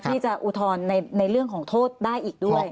อุทธรณ์ในเรื่องของโทษได้อีกด้วย